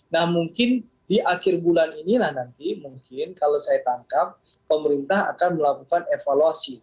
nah mungkin di akhir bulan inilah nanti mungkin kalau saya tangkap pemerintah akan melakukan evaluasi